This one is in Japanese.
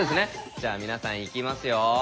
じゃあ皆さんいきますよ。